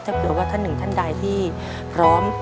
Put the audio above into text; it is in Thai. ถ้าเผื่อว่าท่านหนึ่งท่านใดที่พร้อม